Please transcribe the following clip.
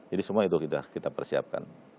jadi semua itu kita persiapkan